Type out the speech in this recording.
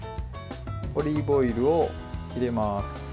オリーブオイルを入れます。